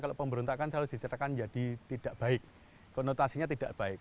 kalau pemberontak kan selalu dicitrakan jadi tidak baik konotasinya tidak baik